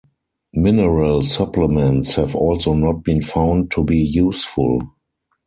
Mineral supplements have also not been found to be useful.